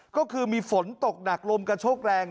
ก็คือมีฝนตกหนักลมกระโชกแรง